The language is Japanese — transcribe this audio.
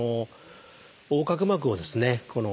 横隔膜をですね